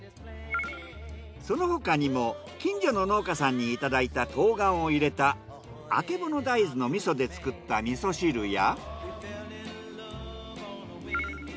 その他にも近所の農家さんにいただいた冬瓜を入れたあけぼの大豆の味噌で作った味噌汁や。